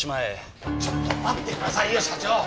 ちょっと待ってくださいよ社長。